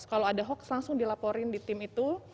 kalau ada hoax langsung dilaporin di tim itu